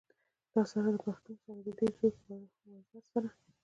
دا سر د پښتون سر دے ددې سر پۀ وزر څۀ